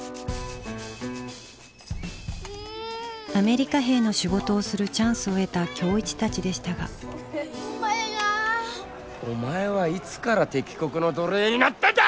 アメリカ兵の仕事をするチャンスを得た今日一たちでしたがお前はいつから敵国の奴隷になったんだ！